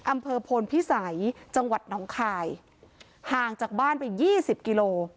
อำเภอโพนพิสัยจังหวัดหนองคายห่างจากบ้านไปยี่สิบกิโล